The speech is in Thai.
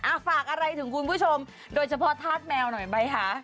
ฝากอะไรถึงคุณผู้ชมโดยเฉพาะธาตุแมวหน่อยไหมคะ